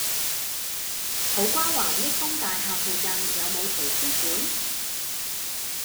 土瓜灣益豐大廈附近有無圖書館？